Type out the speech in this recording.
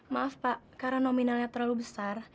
maaf pak karena nominalnya terlalu besar